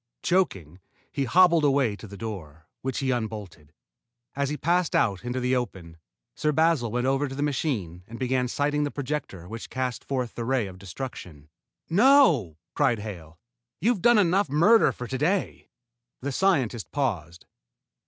Choking, he hobbled away to the door, which he unbolted. As he passed out into the open, Sir Basil went over to the machine and began sighting the projector which cast forth the ray of destruction. "No!" cried Hale. "You've done enough murder for to day." The scientist paused.